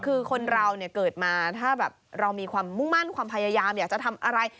คือคนเราเนี่ยเกิดมาถ้าแบบเรามีความมุ่งมั่นความพยายามอยากจะทำอะไร